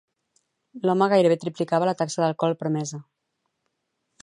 L'home gairebé triplicava la taxa d'alcohol permesa.